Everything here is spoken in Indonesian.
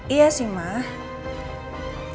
iya sih mak